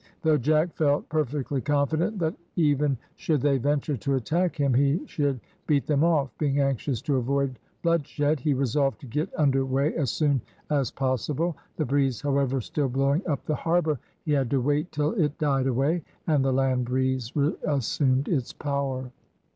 Though Jack felt perfectly confident that even should they venture to attack him he should beat them off, being anxious to avoid bloodshed, he resolved to get under weigh as soon as possible. The breeze, however, still blowing up the harbour, he had to wait till it died away, and the land breeze reassumed its power.